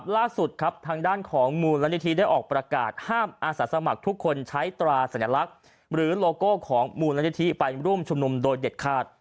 ล่าสุดครับทางด้านของมูลนิธิได้ออกประกาศห้ามอาสาสมัครทุกคนใช้ตราสัญลักษณ์หรือโลโก้ของมูลนิธิไปร่วมชุมนุมโดยเด็ดขาด